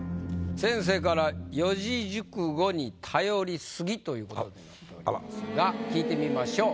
先生から「四字熟語に頼りすぎ！」ということになっておりますが聞いてみましょう。